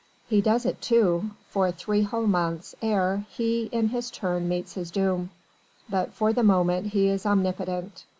He does it too for three whole months ere he in his turn meets his doom. But for the moment he is omnipotent.